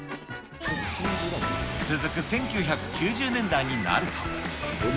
続く１９９０年代になると。